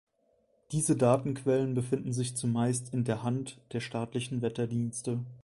Diese Datenquellen befinden sich zumeist in der Hand der staatlichen Wetterdienste.